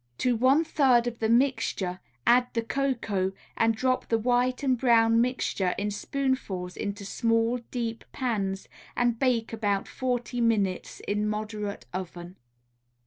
To one third of the mixture add the cocoa, and drop the white and brown mixture in spoonfuls into small, deep pans, and bake about forty minutes in moderate oven.